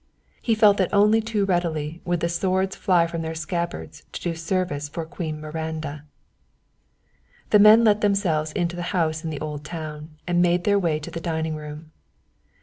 He felt that only too readily would the swords fly from their scabbards to do service for Queen Miranda. The men let themselves into the house in the old town and made their way to the dining room.